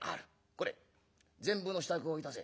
これ膳部の支度をいたせ」。